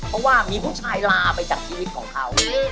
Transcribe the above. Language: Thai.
เพราะว่ามีผู้ชายลาไปจากชีวิตของเขา